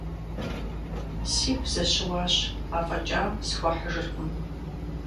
Сигу зэщыуащ, афӀэкӀа схуэхьыжыркъым.